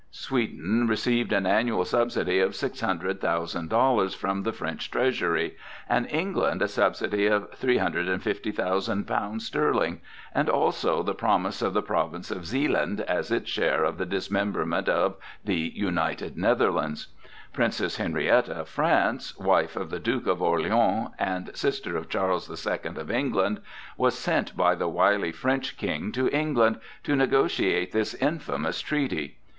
Sweden received an annual subsidy of 600,000 dollars from the French treasury, and England a subsidy of 350,000 pounds sterling and also the promise of the province of Zealand as its share of the dismemberment of the United Netherlands. Princess Henrietta of France, wife of the Duke of Orleans and sister of Charles the Second of England, was sent by the wily French King to England to negotiate this infamous treaty.